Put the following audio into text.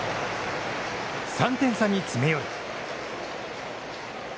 ３点差に詰め寄る。